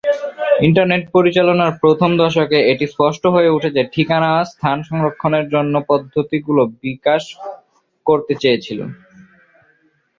Internet পরিচালনার প্রথম দশকে, এটি স্পষ্ট হয়ে ওঠে যে ঠিকানা স্থান সংরক্ষণের জন্য পদ্ধতিগুলি বিকাশ করতে হয়েছিল।